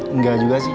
enggak juga sih